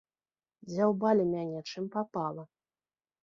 Дзяўбалі мяне чым папала.